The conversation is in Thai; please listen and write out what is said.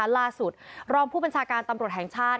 รองผู้บัญชาการตำรวจแห่งชาติ